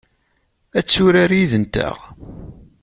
Ad turar yid-nteɣ?